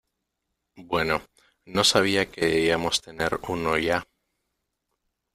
Bueno, no sabia que debíamos tener uno ya.